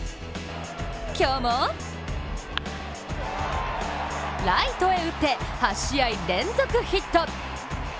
今日もライトへ打って８試合連続ヒット。